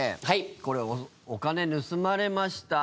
これお金盗まれました。